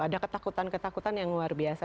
ada ketakutan ketakutan yang luar biasa